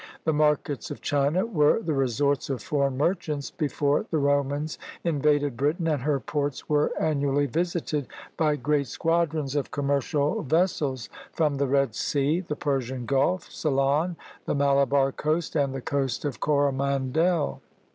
The markets of China were the resorts of foreign merchants before the Romans invaded Britain, and her ports were annually visited by great squadrons of commercial vessels from the Red Sea, the Persian Gulf, Ceylon, the Malabar coast, and the coast of Coromandel.